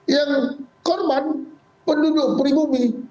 yang korban penduduk peribumi